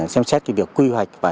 xem xét việc quy hoạch và